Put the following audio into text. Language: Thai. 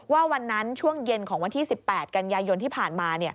วันนั้นช่วงเย็นของวันที่๑๘กันยายนที่ผ่านมา